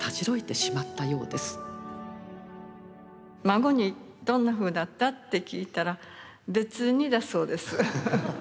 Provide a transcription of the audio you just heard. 孫に「どんなふうだった？」って聞いたら「別に」だそうです。